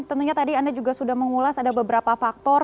tentunya tadi anda juga sudah mengulas ada beberapa faktor